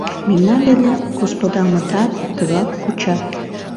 Мемнан дене господамытат тыгак кучат.